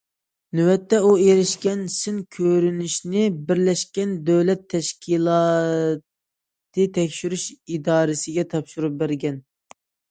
نۆۋەتتە ئۇ ئېرىشكەن سىن كۆرۈنۈشىنى بىرلەشكەن دۆلەتلەر تەشكىلاتى تەكشۈرۈش ئىدارىسىگە تاپشۇرۇپ بەرگەن.